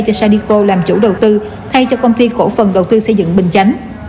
cho sandico làm chủ đầu tư thay cho công ty cổ phần đầu tư xây dựng bình chánh